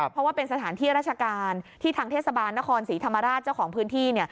เพราะว่าเป็นสถานที่ราชการที่ทางเทศบาลนครศรีธรรมราชเจ้าของพื้นที่